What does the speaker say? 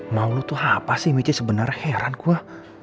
mau lo tuh apa sih nici sebenarnya heran gue